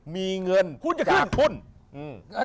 มีเงินจากหุ้นหุ้นจะขึ้น